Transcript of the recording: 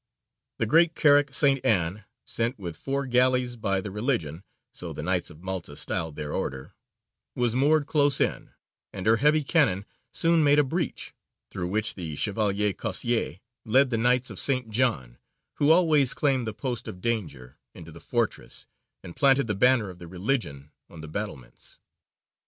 The great carack St. Ann, sent, with four galleys, by "the Religion" (so the Knights of Malta styled their Order), was moored close in, and her heavy cannon soon made a breach, through which the Chevalier Cossier led the Knights of St. John, who always claimed the post of danger, into the fortress, and planted the banner of "the Religion" on the battlements (14 July).